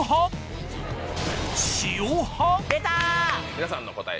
皆さんの答え